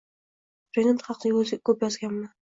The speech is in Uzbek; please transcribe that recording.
Rinat haqida ko‘p yozganman